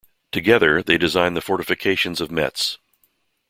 Together, they designed the fortifications of Metz.